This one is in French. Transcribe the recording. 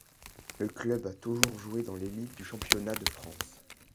Le club a toujours joué dans l'élite du championnat de France.